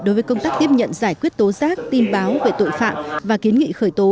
đối với công tác tiếp nhận giải quyết tố giác tin báo về tội phạm và kiến nghị khởi tố